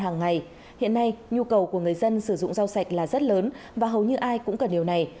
hàng ngày hiện nay nhu cầu của người dân sử dụng rau sạch là rất lớn và hầu như ai cũng cần điều này